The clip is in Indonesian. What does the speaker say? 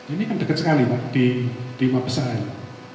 ini kan deket sekali pak di mabesah ini